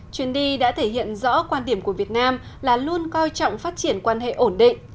chuyến đi đã thể hiện rõ quan điểm của việt nam là luôn coi trọng phát triển quan hệ ổn định